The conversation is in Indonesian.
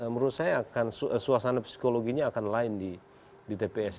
menurut saya akan suasana psikologinya akan lain di tps